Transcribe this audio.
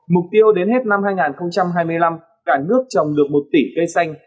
mục tiêu đến hết năm hai nghìn hai mươi năm cả nước trồng được một tỷ cây xanh